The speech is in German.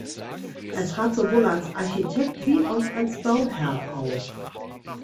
Er trat sowohl als Architekt wie auch als Bauherr auf.